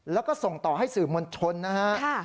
แล้วก็ส่งต่อให้สื่อมวลชนนะฮะ